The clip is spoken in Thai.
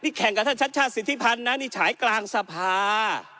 แข่งกับท่านชัดชาติสิทธิพันธ์นะนี่ฉายกลางสภา